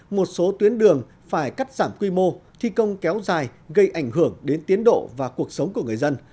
một số tuyến đường phải cắt giảm quy mô thi công kéo dài gây ảnh hưởng đến tiến độ và cuộc sống của người dân